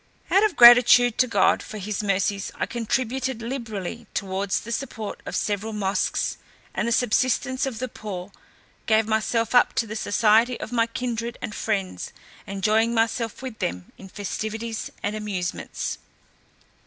Out of gratitude to God for his mercies, I contributed liberally towards the support of several mosques, and the subsistence of the poor, gave myself up to the society of my kindred and friends, enjoying myself with them in festivities and amusements.